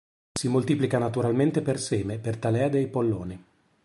Si moltiplica naturalmente per seme, per talea dei polloni.